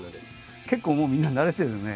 結構もうみんななでてるね。